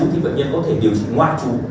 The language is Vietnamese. thì bệnh nhân có thể điều trị ngoại chú